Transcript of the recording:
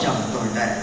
chồng tồi tệ